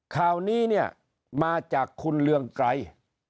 ข่าวนี้เนี่ยมาจากคุณเรืองไกร